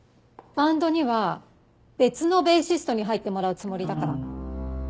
バンドには別のベーシストに入ってもらうつもりだから。